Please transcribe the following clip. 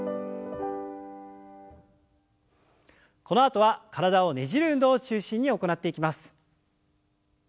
このあとは体をねじる運動を中心に行っていきます。